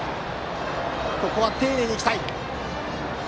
ここは丁寧に行きたい。